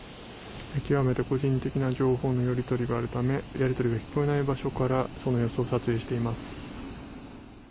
極めて個人的な情報のやり取りがあるためやり取りが聞こえない場所からその様子を撮影しています。